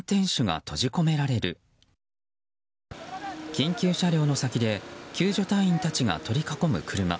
緊急車両の先で救助隊員たちが取り囲む車。